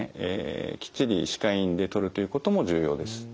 きっちり歯科医院で取るということも重要です。